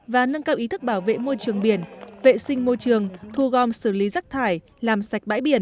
và nâng cao ý thức bảo vệ môi trường biển vệ sinh môi trường thu gom xử lý rắc thải làm sạch bãi biển